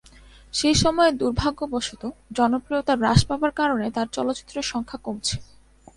সে সময়ে দুর্ভাগ্যবশত, জনপ্রিয়তা হ্রাস পাবার কারণে তার চলচ্চিত্রের সংখ্যা কমছে।